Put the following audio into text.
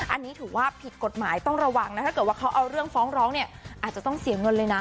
อันนี้ถือว่าผิดกฎหมายต้องระวังนะถ้าเกิดว่าเขาเอาเรื่องฟ้องร้องเนี่ยอาจจะต้องเสียเงินเลยนะ